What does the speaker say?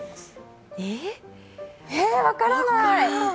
え、分からない。